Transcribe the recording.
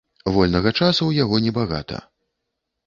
Вольнага часу ў яго небагата.